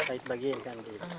iya kait bagian kan